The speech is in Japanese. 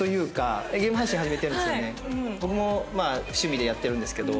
僕もまあ趣味でやってるんですけど。